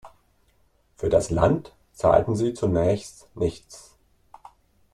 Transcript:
Für das Land zahlten sie zunächst nichts.